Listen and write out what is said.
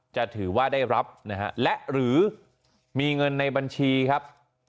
จะถือว่าได้รับนะฮะและหรือมีเงินในบัญชีครับ